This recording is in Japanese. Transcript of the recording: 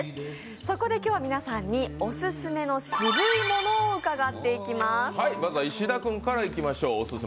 そこで今日は皆さんにオススメのシブい物を伺っていきます。